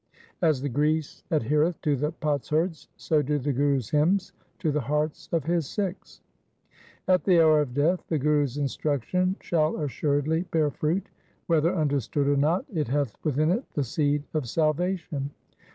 As the grease adhereth to the potsherds, so do the Gurus' hymns to the hearts of his Sikhs. At the hour of death the Gurus' instruction shall assuredly bear fruit. Whether understood or not, it hath within it the seed of salvation.